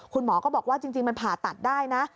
คุณหมอก็บอกว่าจริงมันผ่าตัดได้นะ